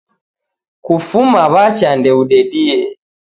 Kufuma wacha ndeudedie